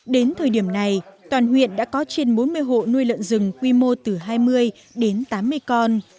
đến thời điểm này toàn huyện đã có trên bốn mươi hộ nuôi lợn rừng quy mô từ hai mươi đến tám mươi con